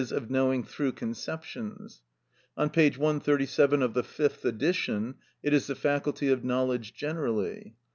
_, of knowing through conceptions. On p. 137 of the fifth edition, it is the faculty of knowledge generally.